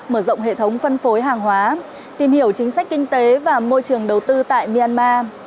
mở rộng hệ thống phân phối hàng hóa tìm hiểu chính sách kinh tế và môi trường đầu tư tại myanmar